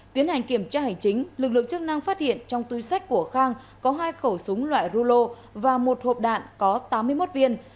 tiến hành kiểm tra hành chính lực lượng chức năng phát hiện trong túi sách của khang có hai khẩu súng loại rulo và một hộp đạn có tám mươi một viên